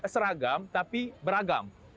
seragam tapi beragam